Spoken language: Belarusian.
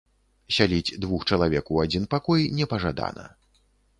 Сяліць двух чалавек у адзін пакой не пажадана.